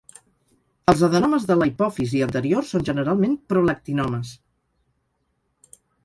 Els adenomes de la hipòfisi anterior són generalment prolactinomes.